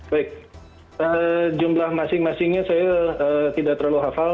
baik jumlah masing masingnya saya tidak terlalu hafal